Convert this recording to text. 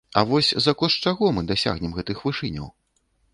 А вось за кошт чаго мы дасягнем гэтых вышыняў?